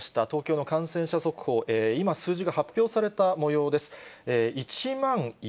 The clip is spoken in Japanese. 東京の感染者速報、今数字が発表されたもようです。